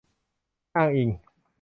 อ้างอิง